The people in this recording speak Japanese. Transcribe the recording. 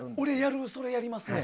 俺、それやりますね。